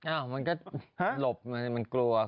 อ้าวมันก็หลบมันกลัว